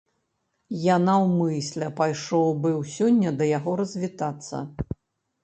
Я наўмысля пайшоў быў сёння да яго развітацца.